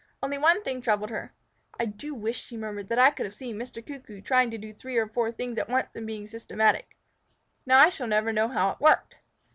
Only one thing troubled her. "I do wish," she murmured, "that I could have seen Mr. Cuckoo trying to do three or four things at once and be systematic. Now I shall never know how it worked."